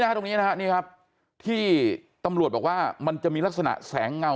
ตรงนี้นะฮะนี่ครับที่ตำรวจบอกว่ามันจะมีลักษณะแสงเงา